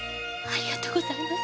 ありがとうございます。